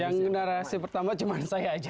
yang narasi pertama cuma saya aja